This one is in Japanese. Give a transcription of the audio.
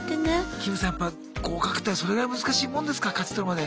キムさんやっぱ合格ってそれぐらい難しいもんですか勝ち取るまで。